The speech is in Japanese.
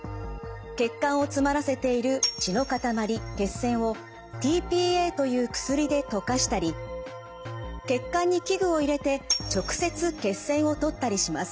血管を詰まらせている血のかたまり血栓をｔ−ＰＡという薬で溶かしたり血管に器具を入れて直接血栓を取ったりします。